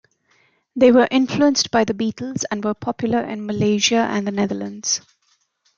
They were influenced by The Beatles, and were popular in Malaysia and the Netherlands.